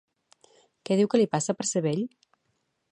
Què diu que li passa per ser vell?